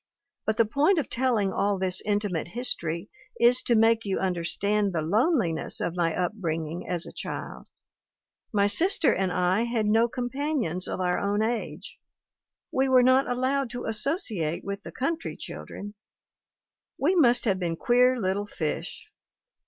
But the point of telling all this intimate history is to make you understand the loneliness of my upbringing as a child ; my sister and I had no companions of our own MARY S. WATTS 179 age ; we were not allowed to associate with the country children. We must have been queer little fish.